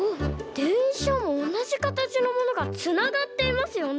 でんしゃもおなじかたちのものがつながっていますよね。